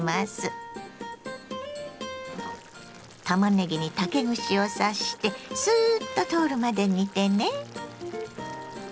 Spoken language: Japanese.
たまねぎに竹串を刺してスーッと通るまで煮てね。